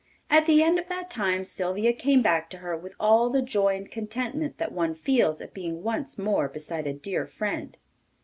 At the end of that time Sylvia came back to her with all the joy and contentment that one feels at being once more beside a dear friend.